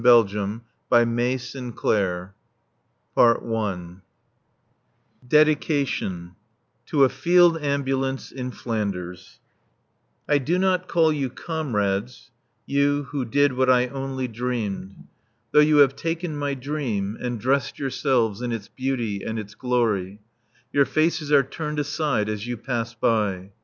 Published, September, 1915 DEDICATION (To a Field Ambulance in Flanders) I do not call you comrades, You, Who did what I only dreamed. Though you have taken my dream, And dressed yourselves in its beauty and its glory, Your faces are turned aside as you pass by.